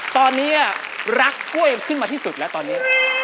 ตอนนี้รักกล้วยขึ้นมาที่สุดแล้วตอนนี้